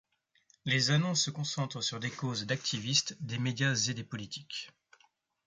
Les annonces se concentrent sur des causes d'activiste, des médias et des politiques.